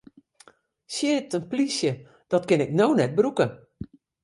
Shit, in plysje, dat kin ik no net brûke!